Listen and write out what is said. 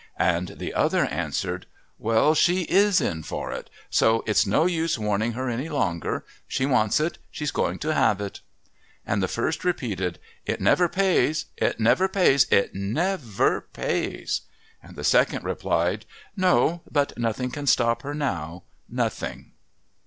And the other answered: "Well, she is in for it! So it's no use warning her any longer. She wants it. She's going to have it." And the first repeated: "It never pays! It never pays! It never pays!" And the second replied: "No, but nothing can stop her now. Nothing!"